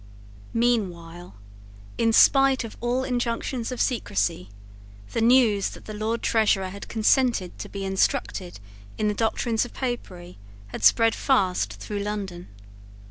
Meanwhile, in spite of all injunctions of secrecy, the news that the Lord Treasurer had consented to be instructed in the doctrines of Popery had spread fast through London.